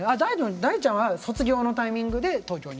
大ちゃんは卒業のタイミングで東京に。